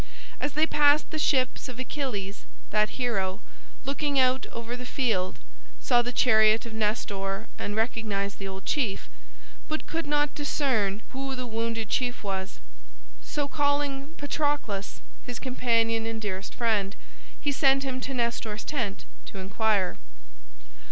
As they passed the ships of Achilles, that hero, looking out over the field, saw the chariot of Nestor and recognized the old chief, but could not discern who the wounded chief was. So calling Patroclus, his companion and dearest friend, he sent him to Nestor's tent to inquire.